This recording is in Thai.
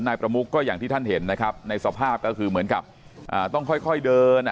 นายประมุกก็อย่างที่ท่านเห็นนะครับในสภาพก็คือเหมือนกับต้องค่อยเดิน